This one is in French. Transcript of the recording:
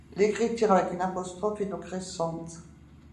L'écriture avec une apostrophe est donc récente.